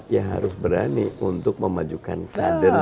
ya harus berani untuk memajukan kader